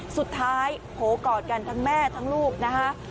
สุดท้ายโหกอดกันทั้งแม่ทั้งลูกนะคะ